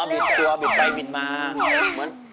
อ๋อบิดตัวบิดไปบิดมาเหมือนเหมือน